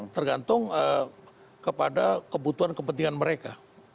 tergantung kepada kebutuhan kepentingan mereka